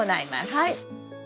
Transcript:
はい。